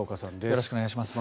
よろしくお願いします。